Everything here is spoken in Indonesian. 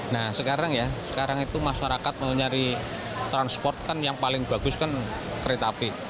nah sekarang ya sekarang itu masyarakat mau nyari transport kan yang paling bagus kan kereta api